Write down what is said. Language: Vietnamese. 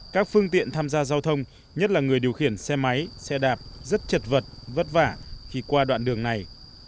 các phương tiện tham gia giao thông nhất là người điều khiển xe máy xe đạp rất chật vật vất vả khi qua đoạn đường này